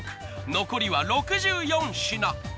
残りは６４品。